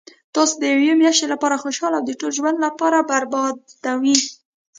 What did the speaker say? تاسو د یوې میاشتي لپاره خوشحاله او د ټول ژوند لپاره بربادوي